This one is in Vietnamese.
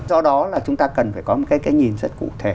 do đó là chúng ta cần phải có một cái nhìn rất cụ thể